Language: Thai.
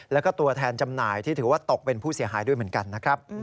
แล้วก็ตัวแทนจำหน่ายที่ถือว่าตกเป็นผู้เสียหายด้วยเหมือนกันนะครับ